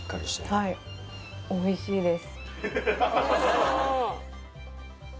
はいおいしいです